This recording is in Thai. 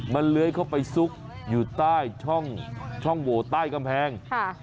มันเลื้อยเข้าไปซุกอยู่ใต้ช่องโหวใต้กำแพง